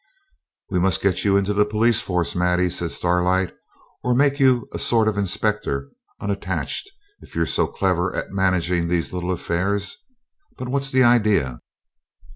'We must get you into the police force, Maddie,' says Starlight, 'or make you a sort of inspector, unattached, if you're so clever at managing these little affairs. But what's the idea?'